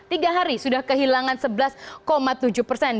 tiga hari sudah kehilangan sebelas tujuh persen